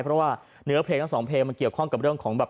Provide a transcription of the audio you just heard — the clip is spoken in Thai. เพราะว่าเนื้อเพลงทั้งสองเพลงมันเกี่ยวข้องกับเรื่องของแบบ